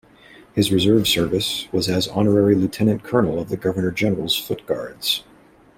His reserve service was as Honorary Lieutenant-Colonel of the Governor-General's Foot Guards.